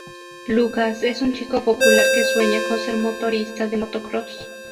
Lukas es un chico popular que sueña con ser motorista de motocross.